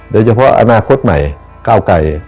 โดยเฉพาะอนาคตใหม่ก้าวไกร